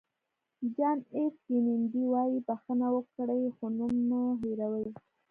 جان اېف کینېډي وایي بښنه وکړئ خو نوم مه هېروئ.